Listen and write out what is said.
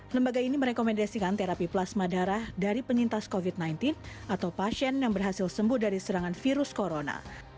lembaga ini merekomendasikan terapi plasma darah dari penyintas covid sembilan belas atau pasien yang berhasil sembuh dari serangan virus corona